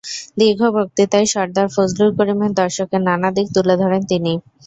দীর্ঘ বক্তৃতায় সরদার ফজলুল করিমের দর্শনের নানা দিক তুলে ধরেন তিনি।